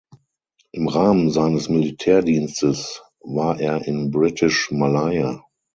Im Rahmen seines Militärdienstes war er in British Malaya.